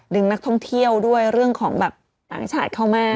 นักท่องเที่ยวด้วยเรื่องของแบบต่างชาติเข้ามา